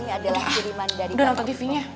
udah ah udah nonton tv nya